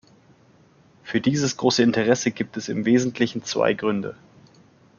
Für dieses große Interesse gibt es im wesentlichen zwei Gründe.